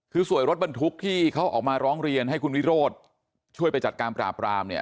คือสวยรถบรรทุกที่เขาออกมาร้องเรียนให้คุณวิโรธช่วยไปจัดการปราบรามเนี่ย